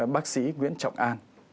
bác sĩ nguyễn trọng an